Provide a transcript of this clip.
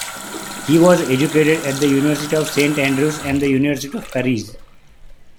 He was educated at the University of Saint Andrews and the University of Paris.